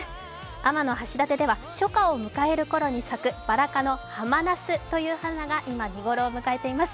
天橋立では初夏を迎えるころに咲くバラ科のハマナスという花が今、見頃を迎えています。